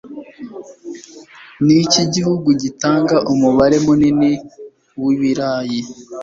Niki gihugu gitanga umubare munini wibirayi